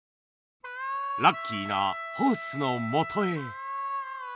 ラッキーな「ホース」のもとへ